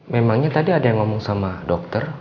memangnya tadi ada yang ngomong sama dokter